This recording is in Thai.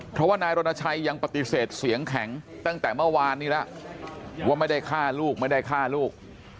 เพราะว่านายรณชัยยังปฏิเสธเสียงแข็งตั้งแต่เมื่อวานนี้แล้วว่าไม่ได้ฆ่าลูกไม่ได้ฆ่าลูก